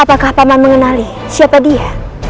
apakah paman mengenali siapa dia